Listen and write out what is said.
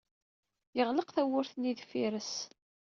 Yeɣleq tawwurt-nni deffir-s.